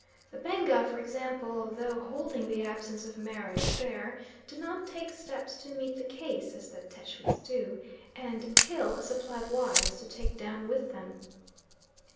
The Benga, for example, although holding the absence of marriage there, do not take steps to meet the case as the Tschwis do, and kill a supply of wives to take down with them.